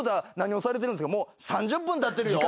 もう３０分たってるよ。